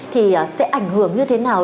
thì sẽ ảnh hưởng như thế nào